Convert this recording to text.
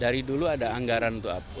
dan dari dulu ada anggaran untuk apbd